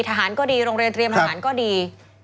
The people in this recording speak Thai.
ทหารก็ดีโรงเรียนเตรียมทหารก็ดี